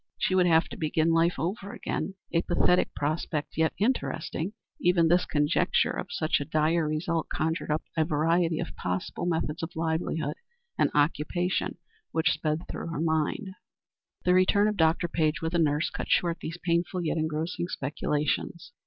She would have to begin life over again a pathetic prospect, yet interesting. Even this conjecture of such a dire result conjured up a variety of possible methods of livelihood and occupation which sped through her mind. The return of Dr. Page with a nurse cut short these painful yet engrossing speculations.